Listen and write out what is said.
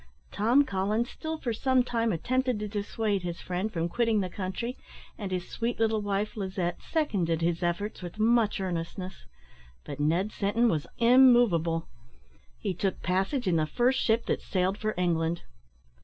Tom Collins still for some time attempted to dissuade his friend from quitting the country, and his sweet little wife, Lizette, seconded his efforts with much earnestness; but Ned Sinton was immovable. He took passage in the first ship that sailed for England.